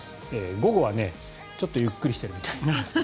午後は、ちょっとゆっくりしてるみたいです。